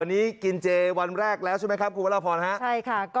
คุณนัททอภงศ์กินเจวันแรกแล้วใช่ไหมครับ